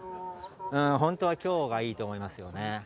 本当はきょうがいいと思いますよね。